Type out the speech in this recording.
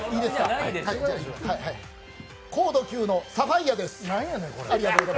硬度９のサファイアです。